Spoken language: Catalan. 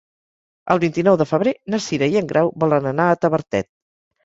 El vint-i-nou de febrer na Cira i en Grau volen anar a Tavertet.